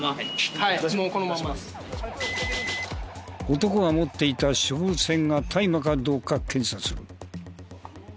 男が持っていた植物片が大麻かどうか検査する。